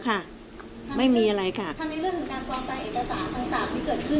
ยุติแล้วค่ะไม่มีอะไรค่ะถ้าในเรื่องของการความตายเอกต่างต่างต่างที่เกิดขึ้น